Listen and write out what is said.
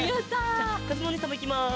じゃあかずむおにいさんもいきます。